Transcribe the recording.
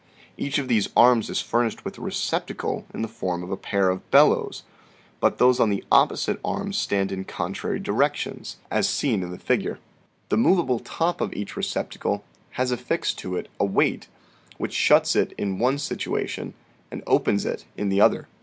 Each of these arms is furnished with a receptacle in the form of a pair of bellows : but those on the opposite arms stand in contrary directions, as seen in 46 THE SEVEN FOLLIES OF SCIENCE the figure. The movable top of each receptacle has affixed to it a weight, which shuts it in one situation and opens it in the other.